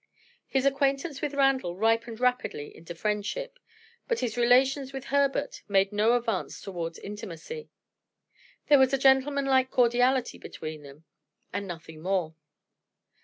His acquaintance with Randal ripened rapidly into friendship. But his relations with Herbert made no advance toward intimacy: there was a gentlemanlike cordiality between them, and nothing more.